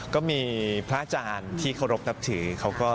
ก็มีพระอาจารย์ที่เคารพทับถือ